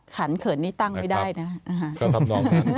ขันเขินนี่ตั้งไม่ได้นะ